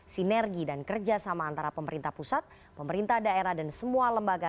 sinergi dan kerjasama antara pemerintah pusat pemerintah daerah dan semua lembaga